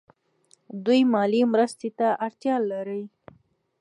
دوی مالي مرستې ته اړتیا لري.